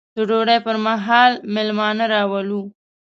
د ډوډۍ پر مهال مېلمانه راولو.